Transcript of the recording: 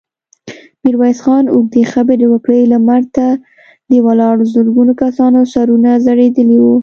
ميرويس خان اوږدې خبرې وکړې، لمر ته د ولاړو زرګونو کسانو سرونه ځړېدلي وو.